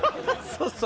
そうそう。